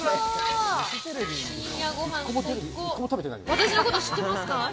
私のこと知ってますか？